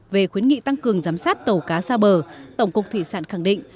về khuyến nghị tăng cường giám sát tàu cá xa bờ tổng cục thủy sản khẳng định